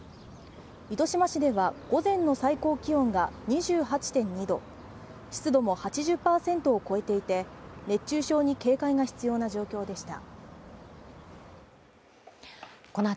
糸島市では午前の最高気温が２８．２度、湿度も８０％を超えていて熱中症に警戒が必要な状況でした。